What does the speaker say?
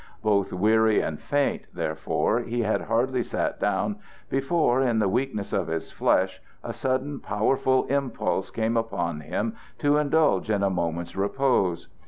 Both weary and faint, therefore, he had hardly sat down before, in the weakness of his flesh, a sudden powerful impulse came upon him to indulge in a moment's repose.